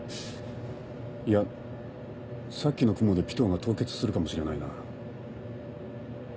いやさっきの雲でピトーが凍結するかもしれないな。